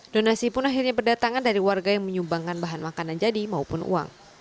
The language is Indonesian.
donasi pun akhirnya berdatangan dari warga yang menyumbangkan bahan makanan jadi maupun uang